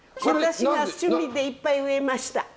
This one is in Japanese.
私が趣味でいっぱい植えました。